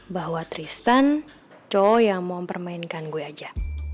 bahwa tristan chow yang mau mempermainkan gue aja